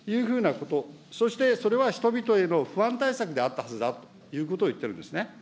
そして、それは人々への不安対策であったはずだということを言ってるんですね。